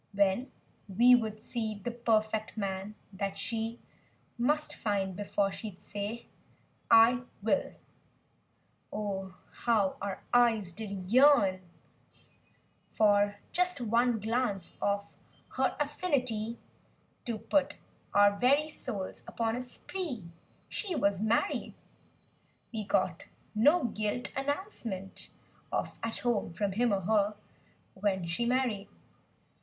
When we would see the "perfect" man that she Must find before she'd'say—"I will 1 " Oh, how our eyes did yearn For just one glance of her af fin i tee. To put our very souls upon a spree— She was married! We got no gilt announcement of "At Home" from him or her— When she married.